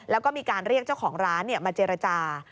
แล้วก็มีการเรียกเจ้าของร้านมาเจรจา